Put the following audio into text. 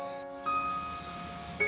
karena kebiri itu setuju banget